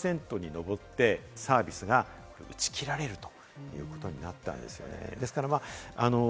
反対が９０％に上って、サービスが打ち切られるということになったんですよね。